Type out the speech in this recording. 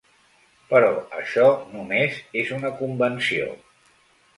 Però això només és una convenció.